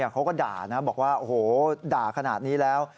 เขาก็ด่านะบอกว่าโอ้โหด่าขนาดนี้แล้ว